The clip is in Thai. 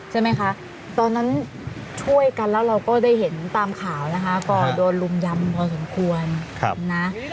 ใช่ไหมคะตอนนั้นช่วยกันแล้วเราก็ได้เห็นตามข่าวนะคะก็โดนลุมยำพอสมควรนะ